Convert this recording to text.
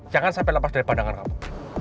jangan sampai lepas dari pandangan kamu